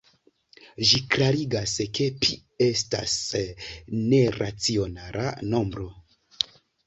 Ĝi klarigas, ke pi estas neracionala nombro.